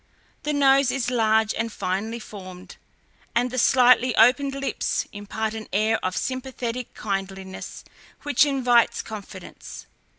The nose is large and finely formed, and the slightly opened lips impart an air of sympathetic kindliness which invites confidence.